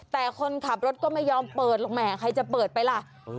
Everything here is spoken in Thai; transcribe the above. แต่คนขับรถก็ไม่ยอมเปิดหรอกแหมใครจะเปิดไปล่ะ